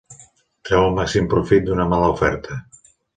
Treu el màxim profit d'una mala oferta